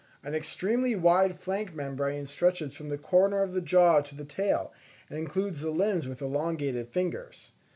An extremely wide flank membrane stretches from the corners of the jaw to the tail, and includes the limbs with the elongated fingers.